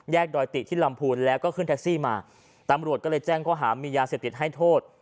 ดอยติที่ลำพูนแล้วก็ขึ้นแท็กซี่มาตำรวจก็เลยแจ้งข้อหามียาเสพติดให้โทษ